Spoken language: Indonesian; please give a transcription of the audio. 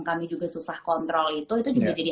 kami juga susah kontrol itu itu juga jadi